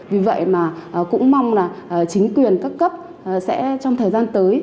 vì vậy mà cũng mong là chính quyền các cấp sẽ trong thời gian tới